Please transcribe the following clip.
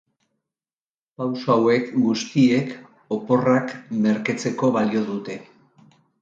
Pausu hauek guztiek oporrak merketzeko balio dute.